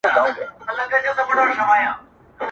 چي اوښ ولاړی، مهار ئې زه څه کوم؟